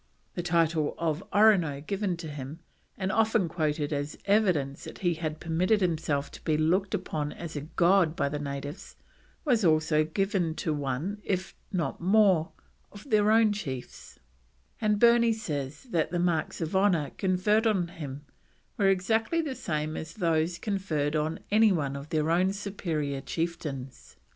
The title of Orono given to him, and often quoted as evidence that he had permitted himself to be looked upon as a god by the natives was also given to one, if not more, of their own chiefs; and Burney says that the marks of honour conferred on him were exactly the same as those conferred on any one of their own superior chieftains.